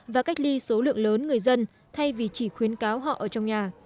và cách ly số lượng lớn người dân thay vì chỉ khuyến cáo họ ở trong nhà